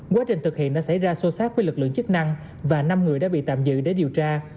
quá trình thực hiện đã xảy ra sâu sát với lực lượng chức năng và năm người đã bị tạm giữ để điều tra